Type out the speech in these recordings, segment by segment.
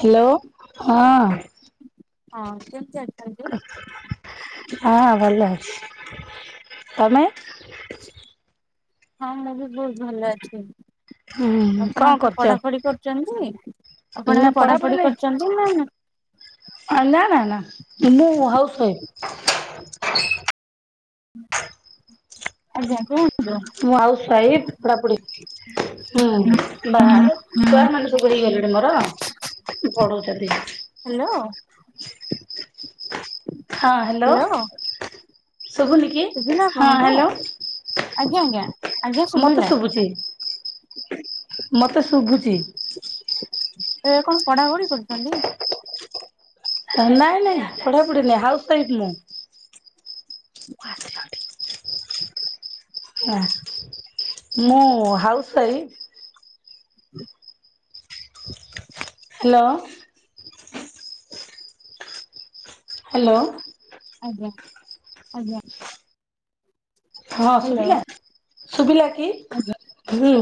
Hello ହଁ। ହଁ କେମିତି ଅଛନ୍ତିଛନ୍ତି? ହଁ ଭଲ ଅଛି ତମେ? ହଁ ମୁଁ ବି ବହୁତ ଭଲ ଅଛି। ହୁଁ ଆପଣ କଣ ଏ କରୁଛ? ପଢାପଢି କରୁଛନ୍ତି? ଆପଣ ନା ଏବେ ପଢାପଢି ନାଇଁ କରିଛନ୍ତି? ନା ନା [unintelligible] ମୁଁ ହାଉସୱାଇଫ। [unintelligible] [inaudible] ମୁଁ ଆଉସ୍ ୱାଇଫ ପଢାପଢି ହୁଁ ବାହା ଛୁଆ ମାନେ ସବୁ ହେଇଗଲେଣି ମୋର। ପଢୁଛନ୍ତି। ହ୍ୟାଲୋ? ହଁ ହ୍ୟାଲୋ ଶୁଭୁନି କି? ଶୁଭିଲା ହଁ ଆପଣଙ୍କୁ? ହ୍ୟାଲୋ? ଆଜ୍ଞା ଆଜ୍ଞା ଆଜ୍ଞା ମତେ ଶୁଭିଲା। ଶୁଭୁଛି, ମତେ ଶୁଭୁଛି। ଏ କଣ ପଢାପଢି କରୁଛନ୍ତି? ନାଇଁ ନାଇଁ ପଢାପଢି ନାଇଁ, ହାଉସ ୱାଇଫ୍ ମୁଁ। [inaudible] ମୁଁ ହାଉସ ୱାଇଫ। [inaudible] ହ୍ୟାଲୋ। ହ୍ୟାଲୋ। [inaudible] ହଁ ହ୍ୟାଲୋ ଶୁଭିଲା ଶୁଭିଲା କି ଆଜ୍ଞା ହୁଁ।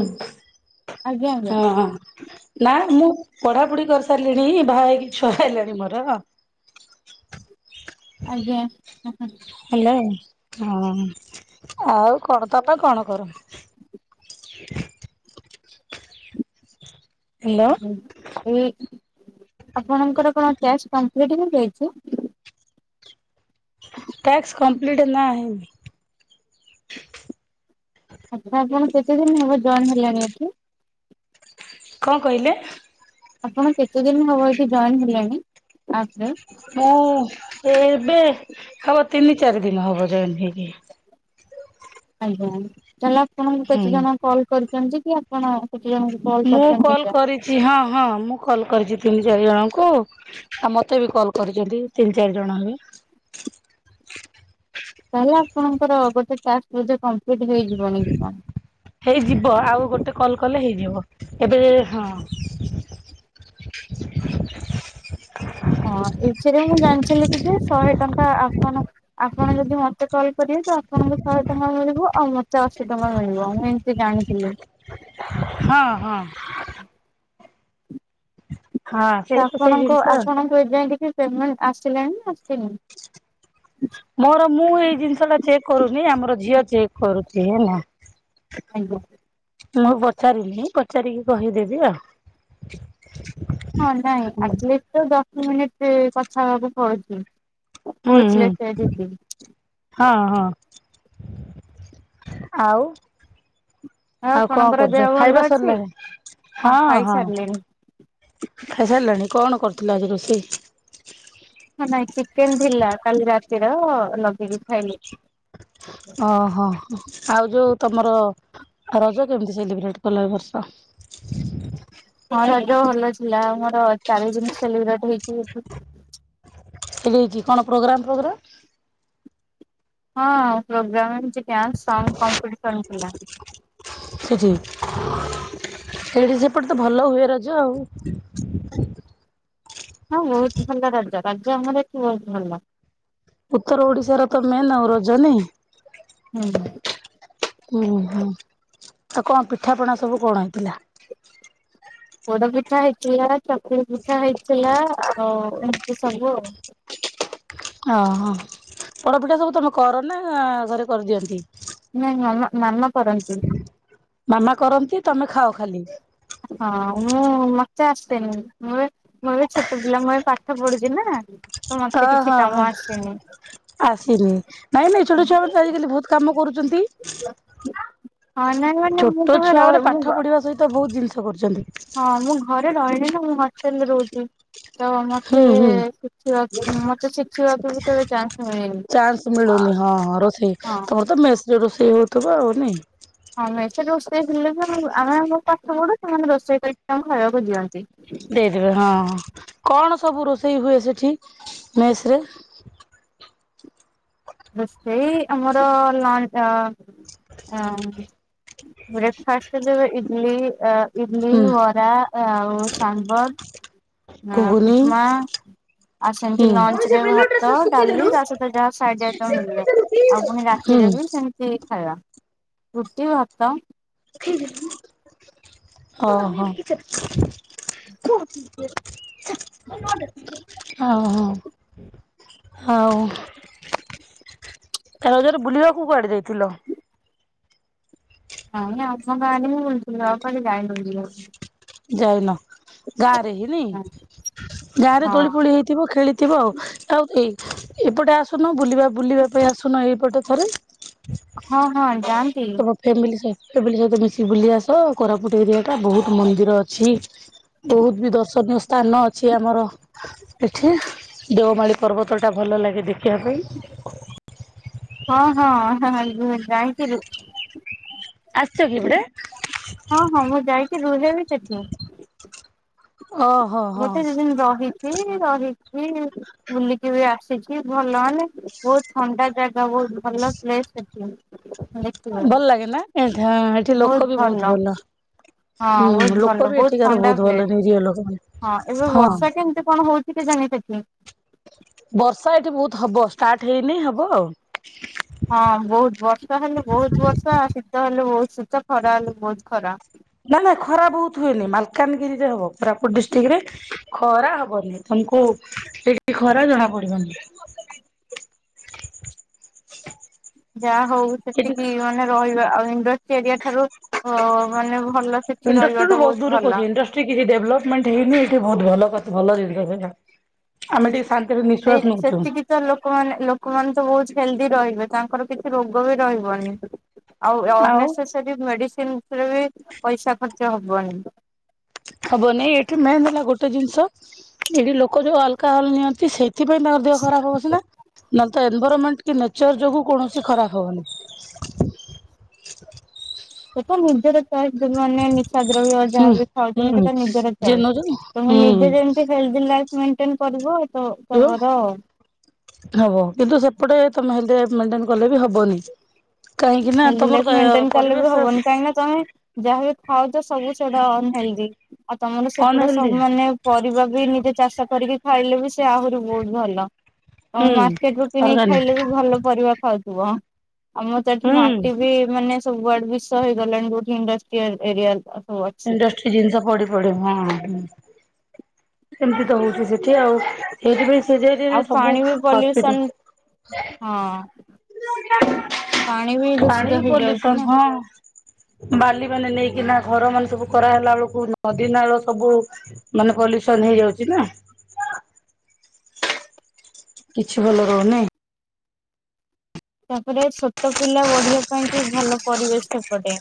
ଆଜ୍ଞା ହଁ। ନା ମୁଁ ପଢାପଢି କରିସାରିଲିଣି ବାହା ହେଇକି ଛୁଆ ହେଲାଣି ମୋର। ଆଜ୍ଞା ହଁ। ହେଲା ହଁ ଆଉ କଣ ତମେ କଣ କର? ହ୍ୟାଲୋ ଏ ଆପଣଙ୍କର କଣ ଟ୍ୟାସ୍ କମ୍ପ୍ଲିଟ୍ ହେଇଯାଇଛି। କମ୍ପ୍ଲିଟ୍ ନାହି। ଆଚ୍ଛା ଆପଣ କେତେଦିନ ହେବ ଜଏନ୍ ହେଲେଣି ଏଠି? କଣ କହିଲେ? ଆପଣ କେତେ ଦିନ ହବ ଏଠି ଜଏନ୍ ହେଲାଣି? ଆପ୍ ରେ ମୁଁ ଏବେ ହବ ତିନି ଚାରି ଦିନ ହବ ଜଏନ ହେଇକି ୲ ଆଜ୍ଞା ତାହେଲେ ଆପଣଙ୍କୁ ହୁଁ କେତେ ଜଣ କଲ୍ କରିୁଛନ୍ତି କି ଆପଣ କେତେ ଜଣଙ୍କୁ କଲ୍ ମୁଁ କରିଛନ୍ତି କଲ ଏଇଟା? କରିଛି ହଁ ହଁ ମୁଁ କଲ କରିଛି ତିନି ଚାରି ଜଣଙ୍କୁ। ଆଉ ମତେ ବି କଲ୍ କରିଛନ୍ତି ତିନି ଚାରି ଜଣ ହେବେ। ତାହେଲେ ଆପଣଙ୍କର ଗୋଟେ ଟାକ୍ସ ବୋଧେ କମ୍ପିଲିଟ ହେଇଯିବନି କି କଣ! ହେଇଯିବ ଆଉ ଗୋଟେ କଲ କଲେ ହେଇଯିବ ଏବେ ହଁ। ହଁ ଏଥିରେ ମୁଁ ଜାଣିଥିଲି କି ଯେ ଶହେ ଟଙ୍କା ଆପଣ ଆପଣ ଯଦି ମତେ କଲ୍ କରିବେ ତ ଆପଣଙ୍କୁ ଶହେ ଟଙ୍କା ମିଳିବ ଆଉ ମତେ ଅଶୀ ଟଙ୍କା ମିଳିବ ମି କିଛି ଜାଣିଥିଲୁ। ହଁ ହଁ। ହଁ ତ ସେଇ ସେଇ ଆପଣଙ୍କ ଜିନିଷ ଆପଣଙ୍କ ଏ ଯାଏ କିଛି ପେମେଣ୍ଟ ଆସିଲାଣି ନା ଆସିନି? ମୋର ମୁଁ ଏଇ ଜିନିଷ ଟା ଚେକ୍ କରୁନି ଆମର ଝିଅ ଚେକ୍ କରୁଛି ହେଲା। ଆଜ୍ଞା। ମୁଁ ପଚାରିନି ପଚାରିକି କହିଦେବି ଆଉ ହଁ ନାଇଁ ଆଟଲିସ ଦଶ ମିନିଟ କଥା ହେବାକୁ ପଡୁଛି। ହୁଁ ହୁଁ କହୁଥିଲେ ସେ ଦିଦି। ହଁ ହଁ ଆଉ। ଆଉ କଣ ଆପଣଙ୍କର ଦେହ କରୁଛ ଭଲ ଖାଇବା ଅଛି? ସରିଲାଣି ହଁ ହଁ। ଖାଇସାରିଲଣି କଣ କରୁଥିଲ ଆଜି ରୋଷେଇ? ନାଇଁ ଚିକେନ ଥିଲା କାଲି ରାତିର ଲଗେଇକି ଖାଇଲି। ଓହୋ ଆଉ ଯୋଉ ତମର ରଜ କେମିତି ସେଲିବ୍ରେଟ କଲ ଏ ବର୍ଷ? ହଁ ରଜ ଭଲ ଥିଲା ଆମର ଚାରି ଦିନ ସେଲିବ୍ରେଟ ହେଇକି ହେଇଚି। [unintelligible] କଣ ପୋଗ୍ରାମ ଫୋଗ୍ରାମ? ହଁ ପୋଗ୍ରାମରେ କିଛି ଡାନ୍ସ, ସଙ୍ଗ କମ୍ପିଡିସନ୍ ଥିଲା। ସେଠି ସେଇଠି ସେପଟେ ତ ଭଲ ହୁଏ ରଜ ଆଉ। ହଁ ବହୁତ ଭଲ ରଜ ରଜ ଆମର ଏଠି ବହୁତ ଭଲ। ଉତ୍ତର ଓଡିଶାର ତ ମେନ ଆଉ ରଜ ନାଇ ହୁଁ। ହୁଁ ହୁଁ ଆ କଣ ପିଠାପଣା ସବୁ କଣ ହେଇଥିଲା? ପୋଡ ପିଠା ହେଇଥିଲା ଚକୁଳି ପିଠା ହେଇଥିଲା ଆଉ ଏମିତି ସବୁ ଆଉ। ଓହୋ ପୋଡପିଠା ସବୁ ତମେ କର ନା ଘରେ କରିଦିଅନ୍ତି? ନାଇଁ ମାମା ମାମା କରନ୍ତି। ମାମା କରନ୍ତି ତମେ ଖାଅ ଖାଲି। ହଁ ମୁଁ ମତେ ଆସିନି ମୁଁ ମୁଁ ଏବେ ଛୋଟ ପିଲା ମୁଁ ଏବେ ପାଠ ପଢୁଛି ନା ତ ମତେ ଅ କିଛି ହଁ କାମ ହଁ। ଆସେନି। ଆସିନି ନାଇଁ ନାଇଁ ଛୋଟ ଛୁଆ ମାନେ ତ ଆଜିକାଲି ବହୁତ କାମ କରୁଛନ୍ତି। ହଁ ନାଇଁ ମାନେ ମୁଁ ଛୋଟ କେବେ ଛୁଆ ରହି ମାନେ ମୁଁ ପାଠ ପଢିବା ସହିତ ବହୁତ ଜିନିଷ କରୁଛନ୍ତି। ହଁ ମୁଁ ଘରେ ରହିଲି ନା ମୁଁ ହଷ୍ଟେଲରେ ରହୁଛି। ତ ମତେ ହୁଁ ହୁଁ। ଶିଖିବାକୁ ମତେ ଶିଖିବାକୁ ବି କେବେ ଚାନ୍ସ ମିଳିନି। ଚାନ୍ସ ମିଳୁନି ହଁଁ ହଁ ରୋଷେଇ ହଁ। ତମର ତ ମେସରେ ରୋଷେଇ ହଉଥିବ ଆଉ ନାଇଁ। ହଁ ମେସ ରେ ରୋଷେଇ ଥିଲୁ ଯେ ଆମେ ଆମର ପାଠ ପଢୁ ସେମାନେ ରୋଷେଇ କରିକି ଆମ ଖାଇବାକୁ ଦିଅନ୍ତି। ଦେଇଦେବେ ହଁ କଣ ସବୁ ରୋଷେଇ ହୁଏ ସେଠି ମେସ ରେ? ରୋଷେଇ ଆମର ଲାଟ ଆଁ ବ୍ରେକଫାଷ୍ଟ ରେ ଯୋଉ ଇଟଲି ଅ ଇଡଲି, ହୁଁ ବରା, ଆଉ ସାମ୍ବର ଆଁ ଘୁଗୁନି ଉପମା ଆଉ ସେମିତି ହୁଁ। ଲଞ୍ଚ କୌଣସି ରେ ବେଲୁଟା ଭାତ ସେ ଶୁଖେଇ ଡାଲି ଦେଲୁ। ତା ସହି ଯାହା ସାଇଟ ଆଇଟମ ମିଳେ ଆଉ ପୁଣି ହୁଁ ରାତିରେ ବି ସେମ ସେଇ ଖାଇବା ରୁଟି ଭାତ ଓ ହଁ। ଅ ହ। ହଉ ତ ରଜରେ ବୁଲିବାକୁ କୁଆଡେ ଯାଇଥିଲ? ନାଇଁ ଆଛାରେ [unintelligible] ମୁଁ ବୁଲୁଥିଲି କୁଆଡ଼େ ଜାଇନୁ ବୁଲିବାକୁ। ଯାଇନ ଗାଁ ରେ ହେଇନି ହଁ ଗାଁ ରେ ଦୋଳି ପୋଳି ହେଇ ଥିବ ଖେଳିଥିବ ଆଉ ଆଉ ଏଇ ଏପଟେ ଆସୁନ ବୁଲିବା ବୁଲିବା ପାଇଁ ଆସୁନ ଏଇପଟେ ଥରେ। ହଁ ହଁ ଯାଆନ୍ତି। ତମ ଫ୍ୟାମିଲି ସହ ପ୍ୟାମିଲି ସହିତ ମିଶି ବୁଲି ଆସ କୋରାପୁଟ ଏରିଆ ଟା ବହୁତ ମନ ମନ୍ଦିର ଅଛି ବହୁତୁ ବି ଦର୍ଶନୀୟ ସ୍ଥାନ ଅଛି ଆମର। ଏଠି ଦେଓମାଳିୀ ପର୍ବତଟା ଭଲ ଲାଗେ ଦେଖିବା ପାଇଁ। ହଁ ହଁ [unintelligible] ଯାଇଥିଲୁ। ଆସିଛ କି ଏପଟେ? ହଁ ହଁ ମୁଁ ଯାଇକି ରୁହେ ବି ସେଠି। ଓ ଗୋଟେ ଦି ଦିନ ରହି ଚି ରହିକି ବୁଲିକି ବି ଆସିଛି ଭଲ ମାନେ ବହୁତ ଥଣ୍ଡା ଜା ବହୁତ ଭଲ ପ୍ଲେସ୍ ଦେଖିବ ଦେଖିବ। ଭଲ ଲାଗେ ନା ଏଠା ଏଠି ଲୋକ ବି ବହୁତ ଭଲ ହଁ ହୁଁ ବହୁତ ଲୋକ ଭଲ ବି ଏଠିକାର ଥଣ୍ଡା ବହୁତ ପ୍ଲେସ ଭଲ ନିରିହ ଲୋକ ମାନେ। ହଁ ଏବେ ବର୍ଷା କେମିତି କଣ ହଉଛି କେଜାଣି ସେଠି? ବର୍ଷା ଏଠି ବହୁତ ହବ ଷ୍ଟାର୍ଟ ହେଇନି ହବ ଆଉ। ହଁ ବହୁତୁ ବର୍ଷା ହେଲେ ବହୁତୁ ବର୍ଷା ଶୀତ ହେଲେ ବହୁତୁ ଶୀତ ଖରା ହେଲେ ବହୁତୁ ଖରା। ନା ନାଁ ଖରା ବହୁତ ହୁଏନି ମାଲକାନଗିରିରେ ହବ କୋରାପୁଟ ଡିଷ୍ଟ୍ରିକ୍ଟରେ ଖରା ହବନି ତମକୁ ଏଇଠି ଖରା ଜଣା ପଡିବନି। ଯାହା ହଉ ଏଠି ସେତିକି ମାନେ ରହିବା ଆଉ ଇଣ୍ଡଷ୍ଟି ଏରିଆ ଠାରୁ ଓ ମାନେ ଭଲ ସେଠି ଇଣ୍ଡଷ୍ଟ୍ରିରୁୁ ରହିବାଟା ବହୁତ ଦୂରକୁ ଅଛି ଭଲ। ଇଣ୍ଡଷ୍ଟ୍ରି କିଛି ଡେଭଲପମେଣ୍ଟ ହେଇନି ଏଠି ବହୁତ ଭଲ ଭଲ ଜିନିଷ ସେଇଟା। ଆମେ ଟିକେ ଶାନ୍ତିରେ ସେଇ ନିଶ୍ଵାସ ନେଉଛୁ। ସେତିକି ତ ଲୋକମାନେ ଲୋକମାନେ ତ ବହୁତ ହେଲ୍ଦି ରହିବେ ତାଙ୍କର କିଛି ରୋଗ ବି ରହିବନି। ଆଉ ଅନ୍ନେସେସରି ମେଡିସିନରେ ବି ପଇସା ଖର୍ଚ୍ଚ ହବନି। ହବ ନାଇଁ ଏଠି ମେନ୍ ହେଲା ଗୋଟେ ଜିନିଷ ଏଇଠି ଲୋକ ଯୋଉ ଅଲକହଲ ନିଅନ୍ତି ସେ ସେଥିପାଇଁ ତାଙ୍କର ଦେହ ଖରାପ ହବ ସିନା ନ ତ ଏନଭରମେଣ୍ଟ କି ନେଚର ଯୋଗୁ କୌଣସି ଖରାପ ହବନି। ସେଟା ନିଜର ମାନେ ନିଃଶାଦ୍ରବ୍ୟ ହୁଁ ଯାହାବି ଖାଉଛନ୍ତି ହୁଁ ସେଟା ନିଜର ଯିଏ ଚୋଏସ୍ ନଉଛନ୍ତି ତମେ ହୁଁ ନିଜେ ଯେମିତି ହେଲ୍ଡି ଲାଇଫ ମେଣ୍ଟେନ କରିବ ତ ତମର ହବ କିନ୍ତୁ ସେପଟେ ତମେ ହେଲ୍ଡୀ ଲାଇଫ ମେଣ୍ଟେନ କଲେ ବି ହବନି। କାହିଁକି ନା ହିଲ୍ଡି ତମର ଲାଇଫ ତ ମେଣ୍ଟେନ କଲେ ବି ପରିବେଶ ହବନି କାହିଁକି ନା ତମେ ଯାହାବି ଖାଉଛ ସବୁ ସେଟା ଅନହେଲ୍ଡି ଆଉ ତମର ସେପଟା ଅନହେଲ୍ଦି ସବୁ ମାନେ ପରିବା ବି ନିଜେ ଚାଷ କରିକି ଖାଇଲେ ବି ସେ ଆହୁରି ବହୁତ ଭଲ। ହୁଁ ମାର୍କେଟ ରୁଟି କିଣିକି ଖାଇଲେ ଅର୍ଗାନିକ ବି ଭଲ ପରିବା ଖାଉଥିବ ଆମର ତ ଏଠି ହୁଁ ମା ବି ମାନେ ସବୁଆଡ଼େ ବିଷ ହେଇଗଲାଣି ବହୁତ୍ ଇଣ୍ଡଷ୍ଟିଆଲ ଏରିଆ ଅଛି। ଇଣ୍ଡଷ୍ଟ୍ରି ଜିନିଷ ପଢି ପଢ଼ି ହଁ ସେମିତି ତ ହଉଛି ସେଠି ଆଉ। ସେଇଥିପାଇଁ ସେ ଯାଇ ଏରିଆ ଆଉ ରେ ସବୁ ପାଣି ବି ପଲ୍ୟୁସନ ହସପିଟାଲ। ହଁ। ବି ପାଣି ଦୂଷିତ ବି ହେଇଯାଉଛି ନା। ପଲ୍ୟୁସନ ହଁ। ବାଲି ମାନେ ନେଇକି ନା ଘର ମାନେ ସବୁ କରାହେଲା ବେଳକୁ ନଦୀ ନାଳ ସବୁ ମାନେ ପଲ୍ୟୁସନ ହେଇଯାଉଛି ନା। କିଛି ଭଲ ରହୁନି। ତାପରେ ଛୋଟ ପିଲା ବଢିବା ପାଇଁ ବି ଭଲ ପରିବେଶ ସେପଟେ।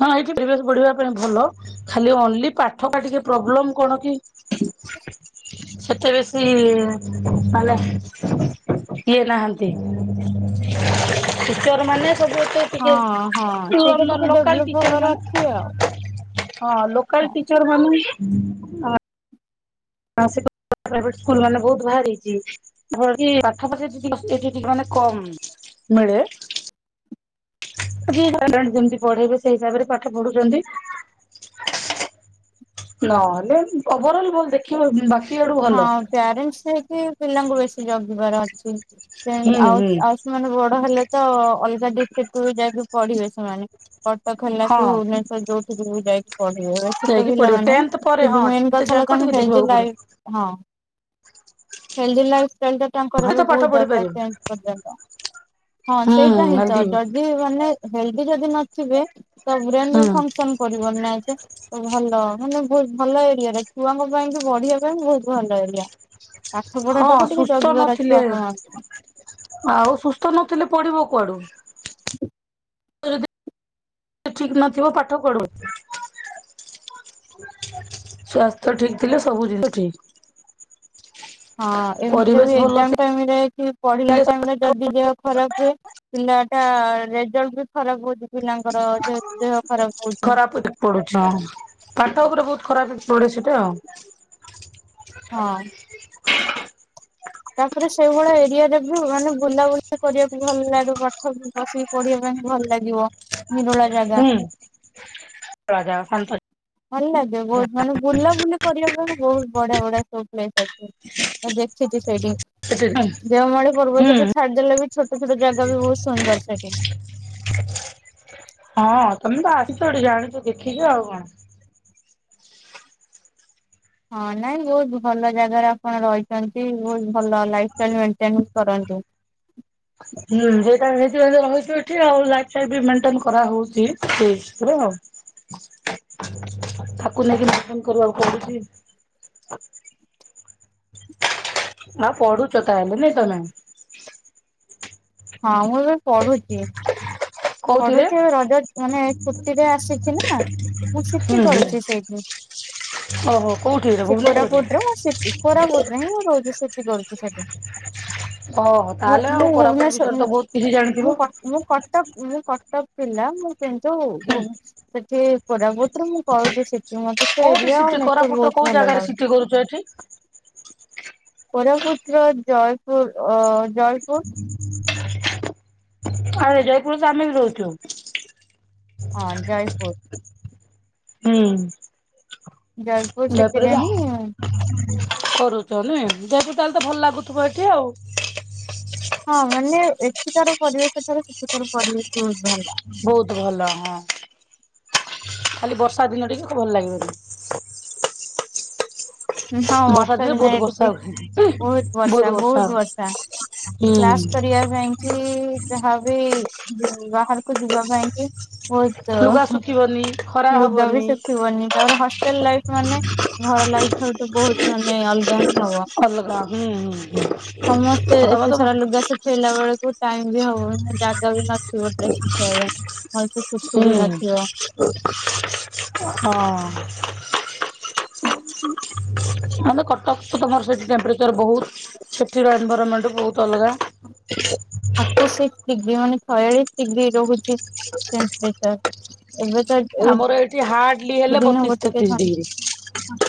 ହଁ, ଏଇଠି ପ୍ରିଭିୟସ୍ ପଢିବା ପାଇଁ ଭଲ ଖାଲି ଓନଲି ପାଠ ଟା ଟିକେ ପ୍ରୋବ୍ଲେମ କଣ କି [inaudible] ସେଥେରେ ସେଇ ମାନେ କିଏ ନାହାନ୍ତ ଟିଚର ମାନେ ସବୁତ ଆଜ୍ଞା ହଁ ହଁ ସେଇଟା ଟିକେ ଲୋ-ଲୋ-ଲୋକାଲ ଡେଭଲପ ଟିଚର ହବାର ମାନେ ଅଛି ଆଉ। ଲୋକାଲ ଟିଚର ମାନେ ହଁ ସେଇ ପ୍ରାଇଭେଟ ସ୍କୁଲ ବାଲା ବୋହୁତ ଭାରିଚି। ଘରଟି ପାଖାପାଖି ଏଠି ଟିକେ ଏଠି ଟିକେ ମାନେ କମ ମିଳେ। [unintelligible] କେମିତି ପଢ଼େଇବେ ସେଇ ହିସାବରେ ପାଠ ପଢୁଛନ୍ତି। [inaudible] ନହହେଲେ ଓଭର ଅଲ୍ ଭଲ ଦେଖିବ ବାକି ଆଡୁ ଭଲ ହଁ ପ୍ୟାରେଣ୍ଟସ ହେଇକି ପିଲାଙ୍କୁ ବେସି ଜଗିବାର ଅଛି ଦେନ ହୁଁ ଆଉ ହୁଁ ଆଉ ସ ସେମାନେ ବଡ ହେଲେ ତ ଅଲଗା ଡିଷ୍ଟିକକୁ ବି ଯାଇକି ପଢିବେ ସେମାନେ। କଟକ ହେଲା କି ହଁ ଭୁବନେଶ୍ଵର ଯୋଉଠି ବି ଯାଇକି ପଢିବେ ଏବେ ଛୋଟ ଯାଇକି ପିଲା ପଢିବ ମାନେ ଟେନ୍ଥ ନା ପରେ ସେ ହଁ ଯୋଉ ଆଇନ ଟେନ୍ଥ ଗଛ ଯାକ ଲତା ଟିକେ ଦେଖିବାକୁ ପଡିବ [unintelligible] ହେଲଦି ଲାଇଫ ଷ୍ଟାଇଲଟା ହୁଏତ ତାଙ୍କରବି ପାଠ ବୋହୁତ ପଢି ଦରକାର ପାରିବେ ଚେଞ୍ଚ ପଚାଶ ଟଙ୍କା ହଁ ସେଇଟା ହୁଁ ହେଲ୍ଦି ହେଇଯାଅ ଜ ଦି ମାନେ ହେଲଦି ଯଦି ନଥିବେ, ତ ବ୍ରେନ୍ ବି ହୁଁ ଫଙ୍କସ୍ ପରିବାର୍ ନାଁହି ଯେ ଭଲ ମାନେ ବୋହୁତ ଭଲ ଏରିଆରେ ଛୁଆଙ୍କ ପାଇଁ ବି ବଢିଆ। ଯୋଉ ବହୁତ ଭଲ ଏରିଆ, ପାଠ ପଢା ହଁ ଟାକୁ ଟିକେ ସୁସ୍ଥ ଜଗିବାର ଅଛିି ନଥିଲେ ବାପା ମା ଙ୍କୁ। ଆଉ ସୁସ୍ଥ ନଥିଲେ ପଢିବ କୁଆଡୁ। [inaudible] ଠିକ୍ ନଥିବ ପାଠ କୁଆଡୁ ଆସିବ। ସ୍ଵାସ୍ଥ୍ୟ ଠିକ୍ ଥିଲେ ସବୁ ଜିନିଷ ଠିକ୍। ହଁ, ଏମିତିରେ ପରିବେଶ ବି ଭଲ ଏକ୍ଜାମ ଟାଇମରେ କି ପଢିଲା ଥିଲେ ଟାଇମରେ ଯଦି ଦେହ ଖରାପ ହୁଏ। ପିଲା ଟା ରେଜଲ୍ଟ ବି ଖରାପ ହଉଚି ପିଲାଙ୍କର ଯେହେତୁ ଦେହ ଖରାପ ହଉଛି ଖରାପ ହେଇ ପଡୁଚି ହଁ ପାଠ ଉପରେ ବହୁତ୍ ଖରାପ ପଡେ ସେଟା। ହଁ। ତାପରେ ସେଇଭଳିଆ ଏରିଆ ରେ ବି ମାନେ ବୁଲାବୁଲି କରିବାକୁ ଭଲ ଲାଗେ ପାଠ ବସି ପଢିବା ପାଇଁ ଭଲ ଲାଗିବ। ନିରୋଳା ଜାଗା ଉଁ [unintelligible] ଭଲ ଲାଗେ ବହୁତ୍ ଭଲ୍‌ ବୁଲାବୁଲି କରିବା ପାଇଁ ବହୁତ ବଢିଆ ବଢିଆ ସବୁ ପ୍ଲେସ ଅଛି, ଦେଖିଛି ସେଇଠି। ହୁଁ ଦେଓମାଳି ପର୍ବତକୁ ଛାଡିଦେଲେ ବି ଛୋଟ ଛୋଟ ଜାଗା ବି ବହୁତ ସୁନ୍ଦର ସେଇଟି। ହଁ, ତମେ ତ ଆସିଚ ଏଠି ଜାଣିଚ ଦେଖିଚ ଆଉ କଣ। ହଁ, ନାଇଁ ବହୁତ ଭଲ ଜାଗାରେ ଆପଣ ରହିଚନ୍ତି ବହୁତ ଭଲ ଲାଇଲ ଷ୍ଟାଇଲ ମେଣ୍ଟନ୍ କରନ୍ତୁ। ହୁଁ, ସେଟା ସେଇଥି ପାଇଁ ରହିଛୁ ଏଠି ଆଉ ଲାଇଭ ଟା ବି ମେଣ୍ଟେନ କରା ହଉଛି। [unintelligible] [unintelligible] ଥାକୁ ନେଇକି ମେଣ୍ଟେନ କରିବାକୁ ପଡୁଚି। ଆଁ ପଢୁଛ ତାହେଲେ ନାଇଁ ତମେ। ହଁ ମୁଁ [unintelligible] କୋଉଥିରେ? ପଢୁଚି ରଜ ମାନେ ଛୁଟି ରେ ଆସିଚି ନା ମୁଁ ସି ହୁଁ ଟି ହୁଁ କରୁଚି ସେଇଠି। ଓହୋ କୋଉଠିରେ ସେ ଭୁବନେଶ୍ୱରରେ କୋରାପୁଟର ମୁଁ ସି ଟି କୋରାପୁଟରେ ହିଁ ମୁଁ ରହୁଚି ସି ଟି କରୁଚି ସେଠି। ଓ ହୋ ମୁଁ ତାହେଲେ ଆଉ ମୁଁ କୋରାପୁଟ ଭୁବନେଶ୍ୱର ବିଷୟରେ ତ ବହୁତ କିଛି ମୁଁ ଜାଣିଥିବ। ମୁଁ କଟକ ମୁଁ କଟକ ପିଲା ମୁଁ କିନ୍ତୁ ହୁଁ ଭୁ ସେଠି କୋରାପୁଟରେ ମୁଁ କହୁଛି ସେଠି ମତେ ସେ କୋଉଠି ଏରିଆ ସିଟି ଆଉ ନେଚର କୋରାପୁଟର ବହୁତ କୋଉ ଭଲ ଜାଗାରେ ସିଟି ଲାଗେ। କରୁଛ ଏଠି। କୋରାପୁଟର ଜୟପୁର ଅ ଜୟପୁର। [unintelligible] ଆରେ ଜୟପୁରରେ ତ ଆମେ ବି ରହୁଛୁ। ହଁ ଜୟପୁର। ହୁଁ। ଜୟପୁର ଜୟପୁରରେ ତ ସେଥିରେ ହିଁ। କରୁଛ ନାଇ ଯେହେତୁ ତାହେଲେ ତ ଭଲ ଲାଗୁଥିବ ଏଠି ଆଉ। ହଁ ମାନେ ଏଠିକାର ପରିବେଶ ଠାରୁ ସେଠିକାର ପରିବେଶ ବହୁତ ଭଲ। ବହୁତ ଭଲ ହଁ ଖାଲି ବର୍ଷା ଦିନ ଟିକେ ଖ ଭଲ ଲାଗିବନି। ହୁଁ ହଁ ବର୍ଷା ଦିନେ ବହୁତ ଦିନରେ ବର୍ଷା ଟିକେ ହୁଏ। ବହୁତ ବର୍ଷା ବହୁତ ବର୍ଷା। ହୁଁ କ୍ଲାସ କରିବା ପାଇଁ କି ଯାହାବି ବୋ ବାହାରକୁ ଯିବା ପାଇଁ କି। ବହୁତ୍। ଯିବନି ଖ ଲୁଗା ବି ଶୁଖିବନି ତାପରେ ହଷ୍ଟେଲ ଲାଇଫ ମାନେ। ଘର ଲାଇଫ୍ ଠାରୁ ତ ବହୁତ ମାନେ ଅଲଗା ହିଁ ହବ। ଅଲଗା ହୁଁ ହୁଁ ହୁଁ। ସମସ୍ତେ ତମ ଏତେ ତମ ସାରା ଲୁଗା ସୁଖେଇଲା ବେଳକୁ ଟାଇମ ବି ହବନି। ଜାଗା ବି ନଥିବ ଡ୍ରେସ୍ ଶୁଖେଇବା ପାଇଁ ଭଲ ସେ ଶୁଖୁ ହୁଁ ବି ନଥିବ। ହଁ। ମାନେ କଟକଠୁ ତମର ସେଇଠି ଟେମ୍ପରେଚର ବହୁତ ସେଠିର ଏନଭାରମେଣ୍ଟ ବହୁତ ଅଲଗା। ଫୋର୍ଟି ସିକ୍ସ ଡିଗ୍ରୀ ମାନେ ଛୟାଳିଶ ଡିଗ୍ରୀ ରହୁଛି ଟେମ୍ପରେଚର। ଏବେ ତ ଏ ଆମର ଏଇଠି ହାର୍ଡଲି ଦି ହେଲେ ଦିନ ହବ ବତିଶ ଟିକେ ତେତିଶ ଥଣ୍ଡା ଡିଗ୍ରୀ।